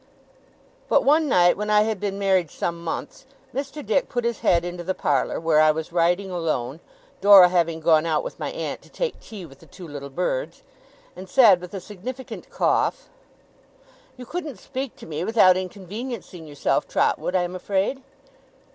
But one night, when I had been married some months, Mr. Dick put his head into the parlour, where I was writing alone (Dora having gone out with my aunt to take tea with the two little birds), and said, with a significant cough: 'You couldn't speak to me without inconveniencing yourself, Trotwood, I am afraid?